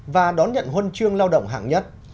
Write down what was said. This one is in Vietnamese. và đón nhận huân chương lao động hạng nhất